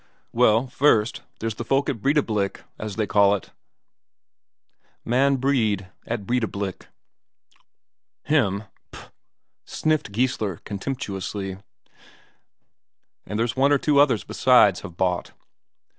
"Well, first, there's the folk at Breidablik, as they call it man Brede, at Breidablik." "Him puh!" sniffed Geissler contemptuously. "Then there's one or two others besides, have bought."